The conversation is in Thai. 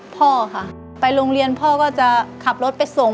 พ่อค่ะไปโรงเรียนพ่อก็จะขับรถไปส่ง